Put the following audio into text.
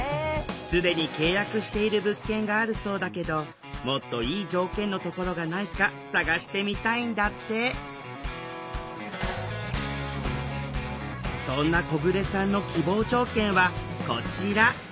既に契約している物件があるそうだけどもっといい条件のところがないか探してみたいんだってそんな小暮さんの希望条件はこちら！